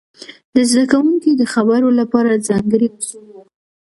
د زده کوونکو د خبرو لپاره ځانګړي اصول وو.